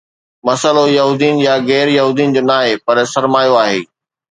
مسئلو يهودين يا غير يهودين جو ناهي، پر سرمايو آهي.